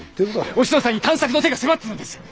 おしのさんに探索の手が迫ってるんです！